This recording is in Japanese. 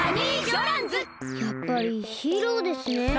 やっぱりヒーローですね。